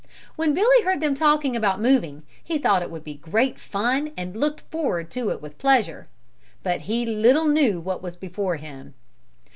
When Billy heard them talking about moving, he thought it would be great fun and looked forward to it with pleasure. But he little knew what was before him.